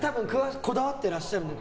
こだわっていらっしゃるので。